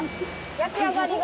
焼き上がりが。